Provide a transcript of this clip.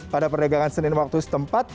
pada perdagangan senin waktu setempat